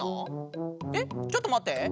えっちょっとまって。